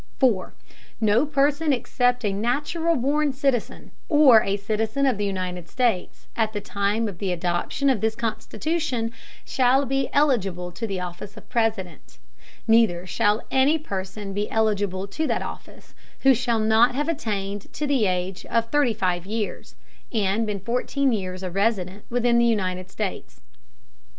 No Person except a natural born Citizen, or a Citizen of the United States, at the time of the Adoption of this Constitution, shall be eligible to the Office of President; neither shall any Person be eligible to that Office who shall not have attained to the Age of thirty five Years, and been fourteen Years a Resident within the United States.